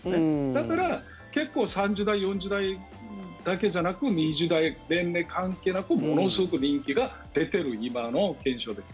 だから結構３０代４０代だけじゃなく２０代年齢関係なくものすごく人気が出てる今の現象です。